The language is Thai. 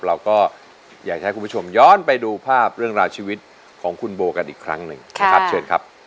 เราก็อยากใช้คุณผู้ชมย้อนไปดูภาพเรื่องราวชีวิตของคุณโบกันอีกครั้งหนึ่ง